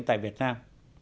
tại việt nam